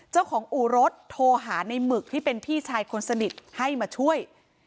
อู่รถโทรหาในหมึกที่เป็นพี่ชายคนสนิทให้มาช่วย